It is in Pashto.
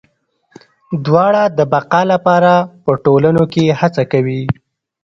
دواړه د بقا لپاره په ټولنو کې هڅه کوي.